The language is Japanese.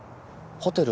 ホテル？